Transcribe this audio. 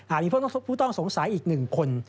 มีผู้ต้องสงสัยอีก๑คน